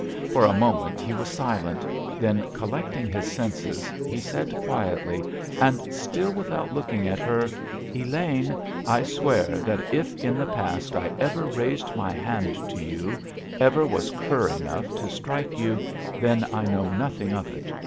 For a moment he was silent, then collecting his senses, he said quietly, and still without looking at her: "Elaine, I swear that if in the past I ever raised my hand to you, ever was cur enough to strike you, then I know nothing of it.